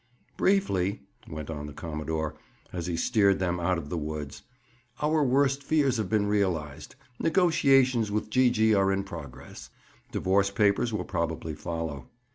"Briefly," went on the commodore, as he steered them out of the woods, "our worst fears have been realized. Negotiations with Gee gee are in progress. Divorce papers will probably follow."